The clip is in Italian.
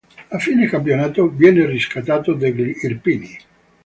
A fine campionato viene riscattato dagli "Irpini".